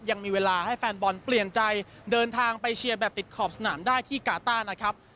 ยังมีเวลาให้แฟนบอลเปลี่ยนใจเดินทางไปเชียร์แบบติดขอบสนามได้ที่กาต้านะครับ